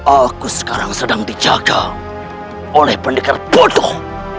aku sekarang sedang dijaga oleh pendekar bodoh